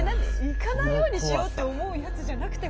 行かないようにしようって思うやつじゃなくて？